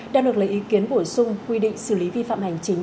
đang được lấy ý kiến bổ sung quy định xử lý vi phạm hành chính